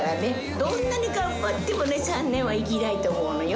どんなに頑張ってもね、３年は生きないと思うのよ。